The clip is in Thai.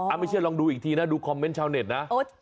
ไม่เชื่อลองดูอีกทีนะดูคอมเมนต์ชาวเน็ตนะ